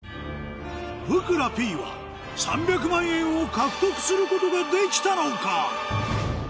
ふくらＰは３００万円を獲得することができたのか？